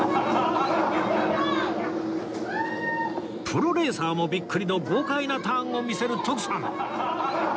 プロレーサーもビックリの豪快なターンを見せる徳さん